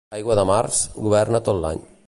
Aigua de març, governa tot l'any.